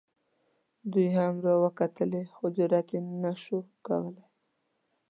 دوی هم را وکتلې خو جرات یې نه شو کولی.